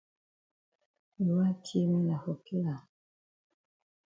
You wan ki me na for kill am.